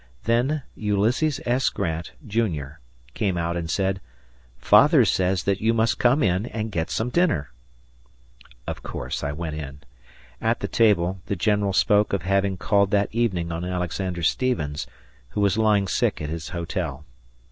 Then Ulysses S. Grant, Junior, came out and said, "Father says that you must come in and get some dinner." Of course, I went in. At the table, the General spoke of having called that evening on Alexander Stephens, who was lying sick at his hotel.